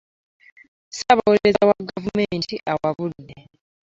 Ssaabawolereza wa Gavumenti awabudde.